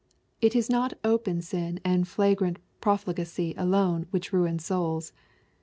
Itis not open sin and flagrant profligacy alone which ruin souls.